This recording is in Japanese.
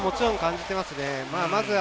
感じています。